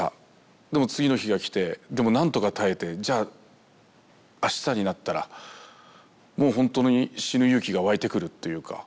でも次の日が来てでも何とか耐えてじゃああしたになったらもうほんとに死ぬ勇気が湧いてくるっていうか。